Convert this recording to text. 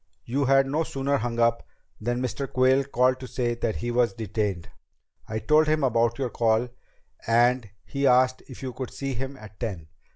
"You had no sooner hung up than Mr. Quayle called to say that he was detained. I told him about your call and he asked if you could see him at ten."